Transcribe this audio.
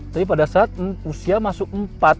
tapi pada saat usia masuk empat